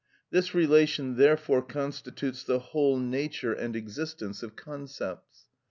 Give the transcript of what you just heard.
This relation therefore constitutes the whole nature and existence of concepts.